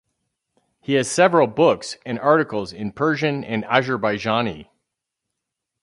He has several books and articles in Persian and Azerbaijani.